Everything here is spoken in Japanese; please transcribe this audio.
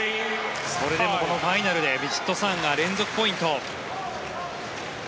それでもこのファイナルでヴィチットサーンが連続ポイント。